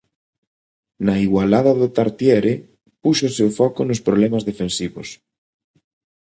Na igualada do Tartiere púxose o foco nos problemas defensivos.